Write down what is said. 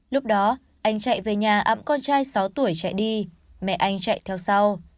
lúc đó anh chạy về nhà ậm con trai sáu tuổi chạy đi mẹ anh chạy theo sau